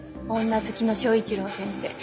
女好きの昭一郎先生